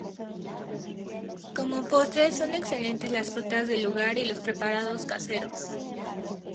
Como postres, son excelentes las frutas del lugar y los preparados caseros.